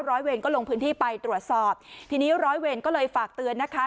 ร้อยเวรก็ลงพื้นที่ไปตรวจสอบทีนี้ร้อยเวรก็เลยฝากเตือนนะคะ